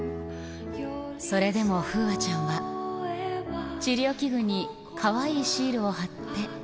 それでも楓空ちゃんは、治療器具にかわいいシールを貼って。